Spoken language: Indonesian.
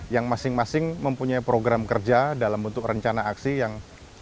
yang masing masing mempunyai program kerja dalam bentuk rencana aksi yang